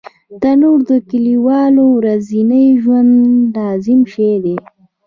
تنور د کلیوالو ورځني ژوند لازم شی دی